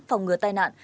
phòng ngừa tai nạn